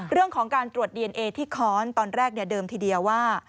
เรื่องของการตรวจดีเอนเอที่ค้อนตอนแรกเดิมทีเดียวว่า